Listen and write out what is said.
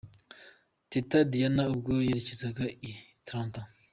Teta Diana ubwo yerekezaga i Atlanta.